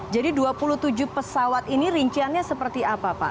jadi dua puluh tujuh pesawat ini rinciannya seperti apa pak